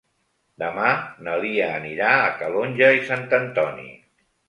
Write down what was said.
Demà na Lia anirà a Calonge i Sant Antoni.